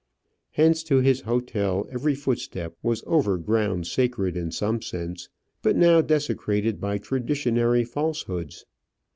Hence to his hotel every footstep was over ground sacred in some sense, but now desecrated by traditionary falsehoods.